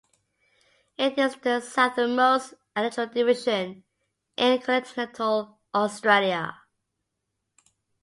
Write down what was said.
It is the southernmost Electoral Division in continental Australia.